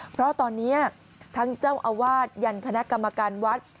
เพราะตอนนี้ทั้งเจ้าอาวาสยันคณะกรรมการวัด